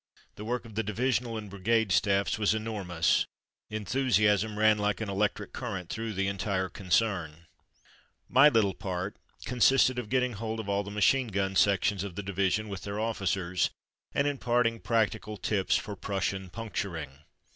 The work of the divisional and brigade staffs was enormous Enthusiasm ran like an electric current through the entire concern. 44 Those Field Days 45 My little part consisted of getting hold of all the machine gun sections of the division with their officers, and imparting practical tips for Prussian puncturing.